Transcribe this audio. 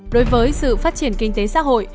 đối với sự phát triển kinh tế xã hội